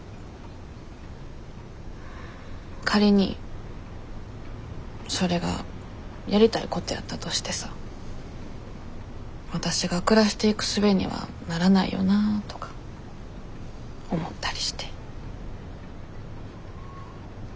仮にそれがやりたいことやったとしてさわたしが暮らしていくすべにはならないよなとか思ったりして。